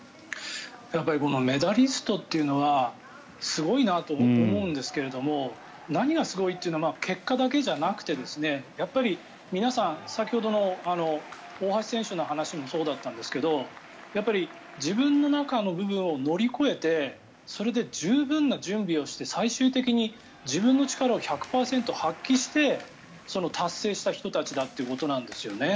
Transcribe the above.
このメダリストというのはすごいなと思うんですが何がすごいというのは結果だけじゃなくてやっぱり皆さん先ほどの大橋選手の話もそうだったんですがやっぱり自分の中の部分を乗り越えてそれで十分な準備をして最終的に自分の力を１００％発揮して達成した人たちだということですよね。